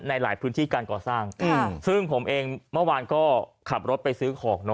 ในหลายพื้นที่การก่อสร้างซึ่งผมเองเมื่อวานก็ขับรถไปซื้อของเนอ